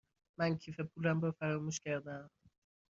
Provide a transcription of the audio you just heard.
من کیف پولم را فراموش کرده ام.